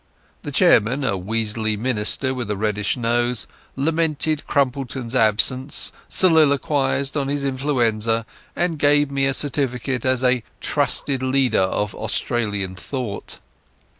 The chairman, a weaselly minister with a reddish nose, lamented Crumpleton's absence, soliloquized on his influenza, and gave me a certificate as a "trusted leader of Australian thought".